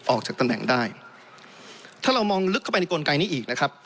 ออกจากตำแหน่งได้ถ้าเรามองลึกเข้าไปในกลไกนี้อีกนะครับ